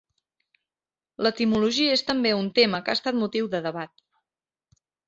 L'etimologia és també un tema que ha estat motiu de debat.